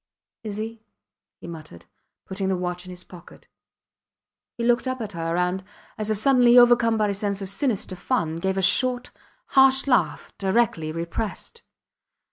Is he? he muttered, putting the watch in his pocket. He looked up at her, and, as if suddenly overcome by a sense of sinister fun, gave a short, harsh laugh, directly repressed.